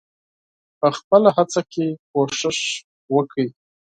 په خپله هڅه کې کوښښ وکړئ.